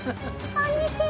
こんにちは。